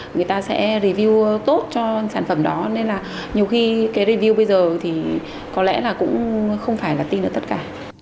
người ta sẽ review tốt cho sản phẩm đó nên là nhiều khi cái review bây giờ thì có lẽ là cũng không phải là tin được tất cả